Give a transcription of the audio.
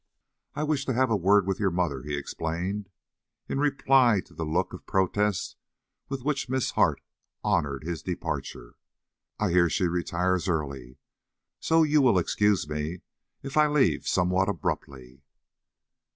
"I wish to have a word with your mother," he explained, in reply to the look of protest with which Miss Hart honored his departure. "I hear she retires early; so you will excuse me if I leave somewhat abruptly."